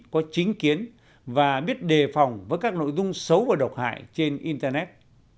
có chính kiến và biết đề phòng với các nội dung xấu và độc hại trên internet